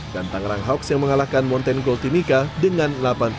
dan tangerang hawks yang mengalahkan montaigne colty mika dengan delapan puluh enam tujuh puluh dua